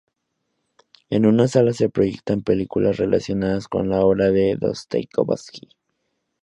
En una sala se proyectan películas relacionadas con la obra de Dostoievski.